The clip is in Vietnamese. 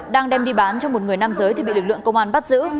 đang đem đi bán cho một người nam giới thì bị lực lượng công an bắt giữ